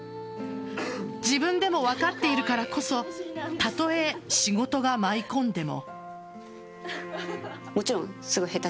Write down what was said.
自分でも分かっているからこそたとえ、仕事が舞い込んでも。